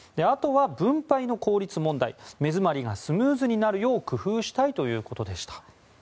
あとは分配の効率問題目詰まりがスムーズになるよう工夫したいということでした。